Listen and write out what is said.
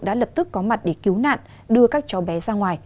đã lập tức có mặt để cứu nạn đưa các cháu bé ra ngoài